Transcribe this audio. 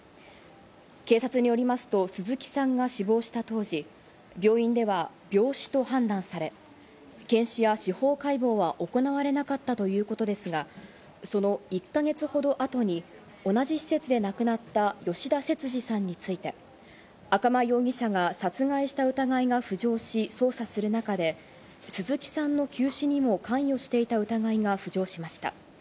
警察によりますと鈴木さんが死亡した当時、病院では病死と判断され、検視や司法解剖は行われなかったということですが、その１か月ほど後に同じ施設で亡くなった吉田節次さんについて赤間容疑者が殺害した疑いが浮上し捜査する中で、鈴木さんの急死にも関与していた疑いが浮上しました。